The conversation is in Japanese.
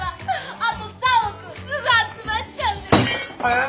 あと３億すぐ集まっちゃうね！